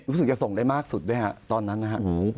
รู้สึกจะส่งได้มากสุดด้วยฮะตอนนั้นนะฮะ